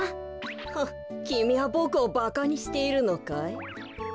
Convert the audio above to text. フッきみはボクをバカにしているのかい？